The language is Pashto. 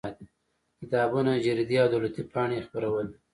کتابونه جریدې او دولتي پاڼې یې خپرولې.